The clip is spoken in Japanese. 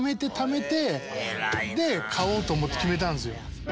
で買おうと思って決めたんですよ。